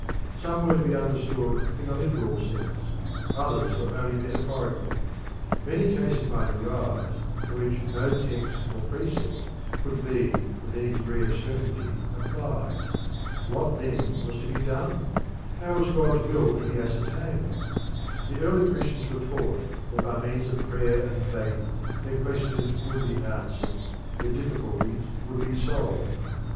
Some were to be understood in a literal sense, others were only metaphorical. Many cases might arise to which no text or precept could be with any degree of certainty applied. What then was to be done? How was God's will to be ascertained? The early Christians were taught that by means of prayer and faith their questions would be answered, their difficulties would be solved.